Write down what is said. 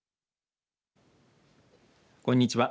こんにちは。